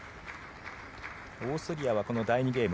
オーストリアはこの第２ゲーム